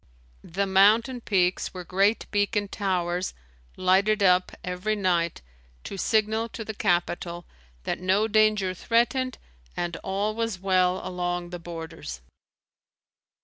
The mountain peaks were great beacon towers lighted up every night to signal to the capital that no danger threatened and all was well along the borders.